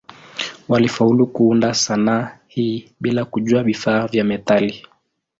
Walifaulu kuunda sanaa hii bila kujua vifaa vya metali.